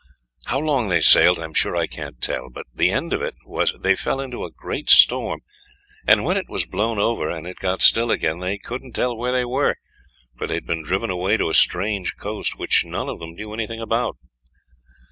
How long they sailed I'm sure I can't tell; but the end of it was, they fell into a great storm, and when it was blown over, and it got still again, they couldn't tell where they were; for they had been driven away to a strange coast, which none of them knew anything about.